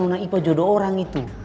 tentang jodoh orang itu